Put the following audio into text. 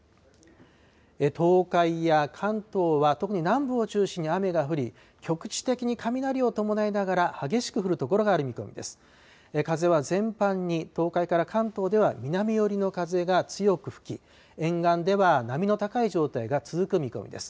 東海や関東は特に南部を中心に雨が降り、局地的に雷を伴いながら激しく降る所がある見込みです。